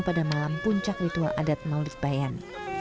pada malam puncak ritual adat maulid bayan